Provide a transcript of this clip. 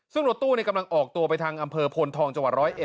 แล้วเขาก็ออกตัวไปทางอำเภอพนธช๑๐๐